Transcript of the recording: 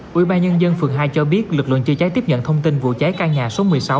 quỹ ba nhân dân phường hai cho biết lực lượng chữa cháy tiếp nhận thông tin vụ cháy căn nhà số một mươi sáu